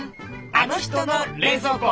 あの人の冷蔵庫。